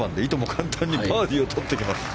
簡単にバーディーをとってきます。